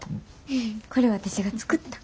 これ私が作った。